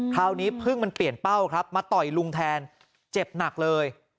คราวนี้พึ่งมันเปลี่ยนเป้าครับมาต่อยลุงแทนเจ็บหนักเลย